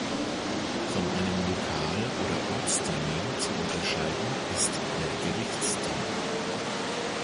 Von einem Lokal- oder Ortstermin zu unterscheiden ist der Gerichtstag.